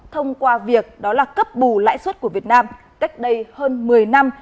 thông qua việc đó là cấp bù lãi suất của việt nam cách đây hơn một mươi năm